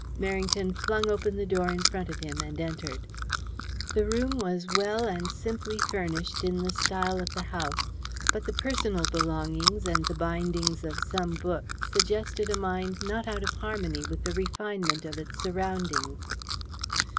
Merrington flung open the door in front of him and entered. The room was well and simply furnished in the style of the house, but the personal belongings and the bindings of some books suggested a mind not out of harmony with the refinement of its surroundings.